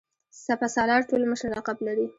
سپه سالار ټول مشر لقب لري.